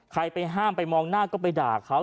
ไปห้ามไปมองหน้าก็ไปด่าเขา